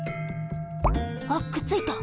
あっくっついた。